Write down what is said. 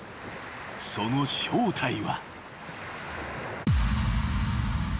その正体は］